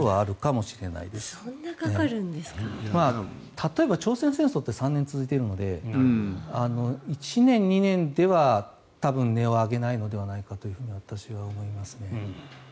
例えば、朝鮮戦争って３年続いているので１年、２年では多分音をを上げないのではないかと私は思いますね。